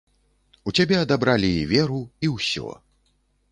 У цябе адабралі і веру, і ўсё.